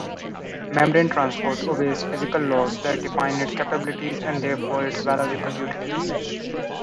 Membrane transport obeys physical laws that define its capabilities and therefore its biological utility.